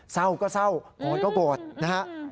เศร้าก็เศร้าโดดก็โกรธนะฮะ